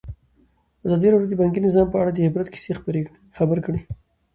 ازادي راډیو د بانکي نظام په اړه د عبرت کیسې خبر کړي.